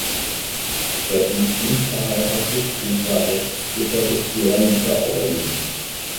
Er blieb unverheiratet und war Rechtsritter des Johanniterordens.